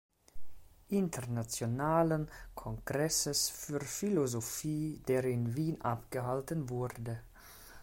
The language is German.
Internationalen Kongresses für Philosophie, der in Wien abgehalten wurde.